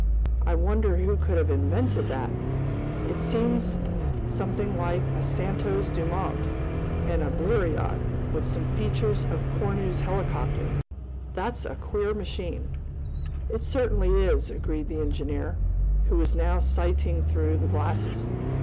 I wonder who could have invented that? It's something like a Santos Dumont and a Bleriot, with some features of Cornu's Helicopter. That's a queer machine." "It certainly is," agreed the engineer, who was now sighting through the glasses.